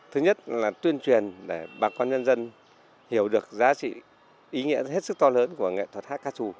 thứ nhất là tuyên truyền để bà con nhân dân hiểu được giá trị ý nghĩa hết sức to lớn của nghệ thuật hát ca trù